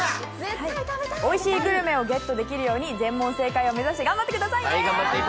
おいしいグルメをゲットできるように全問正解を目指して頑張ってください！